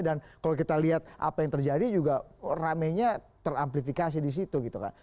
dan kalau kita lihat apa yang terjadi juga rame nya teramplifikasi disitu gitu kan